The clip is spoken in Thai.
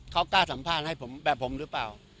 เขากล้าสัมภาษณ์ให้ผมแบบผมหรือเปล่า